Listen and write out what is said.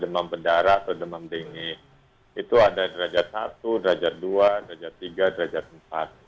demam berdarah atau demam dingin itu ada derajat satu derajat dua derajat tiga derajat empat